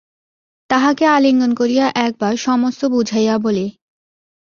তাহাকে আলিঙ্গন করিয়া একবার সমস্ত বুঝাইয়া বলি।